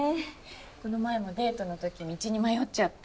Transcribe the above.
この前もデートのとき道に迷っちゃって。